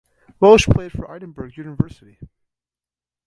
Welsh played for Edinburgh University.